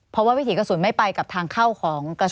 เพราะว่าวิถีกระสุนไม่ไปกับทางเข้าของกระสุน